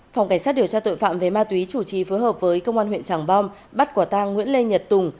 phòng cảnh sát điều tra tội phạm về ma túy chủ trì phối hợp với công an huyện tràng bom bắt quả tang nguyễn lê nhật tùng